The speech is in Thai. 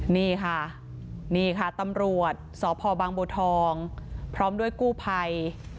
นี่ค่ะนี่ค่ะตำรวจสพบางบัวทองพร้อมด้วยกู้ภัย